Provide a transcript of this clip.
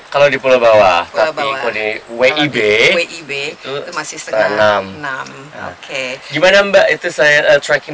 kalau di pulau bawah tapi kalau di wib masih setengah enam oke gimana mbak itu saya tracking